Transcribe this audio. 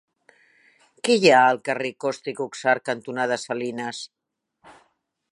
Què hi ha al carrer Costa i Cuxart cantonada Salines?